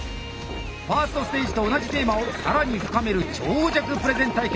１ｓｔステージと同じテーマを更に深める長尺プレゼン対決！